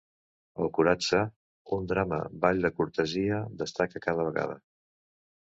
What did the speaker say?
El "kuratsa", un drama ball de cortesia, destaca cada vegada.